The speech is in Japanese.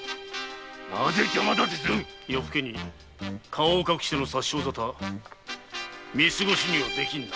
なぜ邪魔だてする夜更けに顔を隠しての殺傷ざた見過ごしにはできんな。